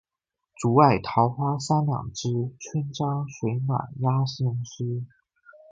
竹外桃花三两枝，春江水暖鸭先知。